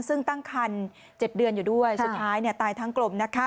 ซึ่งตั้งคัน๗เดือนอยู่ด้วยสุดท้ายตายทั้งกลมนะคะ